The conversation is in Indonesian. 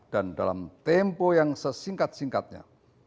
dan dalam tempo yang sesingkat singkatnya